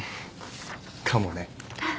かもね。